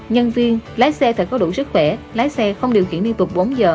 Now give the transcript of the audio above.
nhân viên lái xe phải có đủ sức khỏe lái xe không điều khiển liên tục bốn giờ